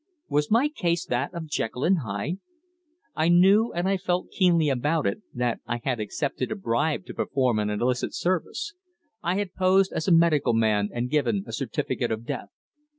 Was my case that of Jekyll and Hyde? I knew, and I felt keenly about it, that I had accepted a bribe to perform an illicit service. I had posed as a medical man and given a certificate of death.